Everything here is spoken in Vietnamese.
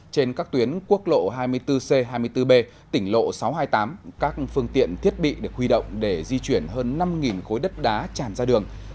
trên các tuyến quốc lộ hai mươi bốn c hai mươi bốn b tỉnh lộ sáu trăm hai mươi tám các phương tiện thiết bị được huy động để di chuyển hơn năm khối đất đá tràn ra đường